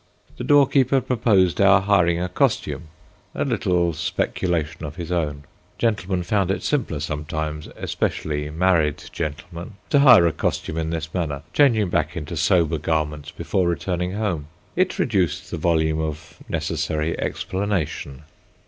The doorkeeper proposed our hiring a costume—a little speculation of his own; gentlemen found it simpler sometimes, especially married gentlemen, to hire a costume in this manner, changing back into sober garments before returning home. It reduced the volume of necessary explanation.